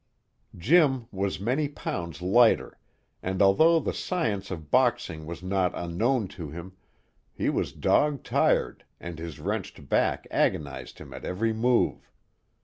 Jim was many pounds lighter, and although the science of boxing was not unknown to him, he was dog tired and his wrenched back agonized him at every move.